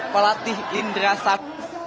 pelatih indra samp